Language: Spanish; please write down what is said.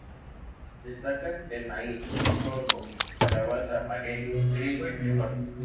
Destacan el maíz, sorgo, calabaza, maguey, trigo y frijol.